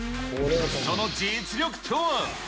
その実力とは。